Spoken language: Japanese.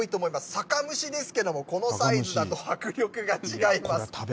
酒蒸しですけども、このサイズだと迫力が違います。